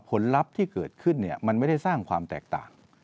ลัพธ์ที่เกิดขึ้นมันไม่ได้สร้างความแตกต่าง